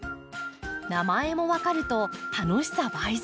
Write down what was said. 名前も分かると楽しさ倍増。